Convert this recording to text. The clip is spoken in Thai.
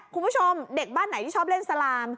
คุณผู้ชมเด็กบ้านไหนที่ชอบเล่นสลาม